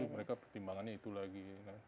ya itu mereka pertimbangannya itu lagi